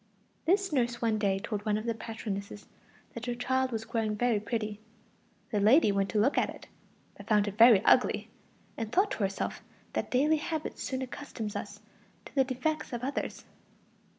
This nurse one day told one of the patronesses that the child was growing very pretty. The lady went to look at it, but found it very ugly, and thought to herself that daily habit soon accustoms us to the defects of others.